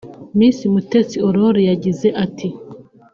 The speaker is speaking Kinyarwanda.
Miss Mutesi Aurore yagize ati